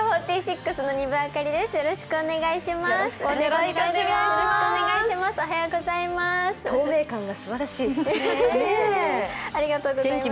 よろしくお願いします。